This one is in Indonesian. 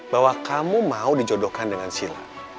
bahwa kamu mau dijodohkan dengan sila